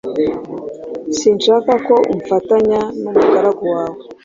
sinshaka ko umfatanya n’umugaragu wawe.